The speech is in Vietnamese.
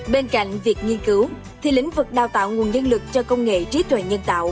bên cạnh việc nghiên cứu thì lĩnh vực đào tạo nguồn nhân lực cho công nghệ trí tuệ nhân tạo